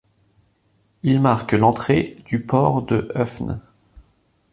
Il marque l'entrée du port de Höfn.